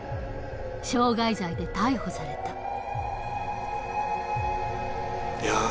傷害罪で逮捕された。